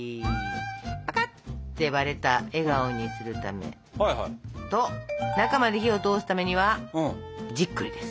ぱかって割れた笑顔にするためと中まで火を通すためにはじっくりです。